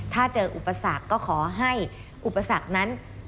ถ้าเจออุปสรรคก็ขอให้อุปสรรคนั้น